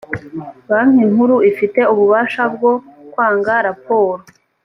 banki nkuru ifite ububasha bwo kwanga raporo.